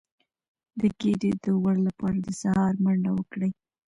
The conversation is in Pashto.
د ګیډې د غوړ لپاره د سهار منډه وکړئ